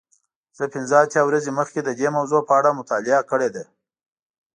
زه پنځه اتیا ورځې مخکې د دې موضوع په اړه مطالعه کړې ده.